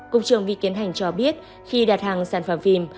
cục trường bị kiến hành cho biết khi đặt hàng sản phẩm phim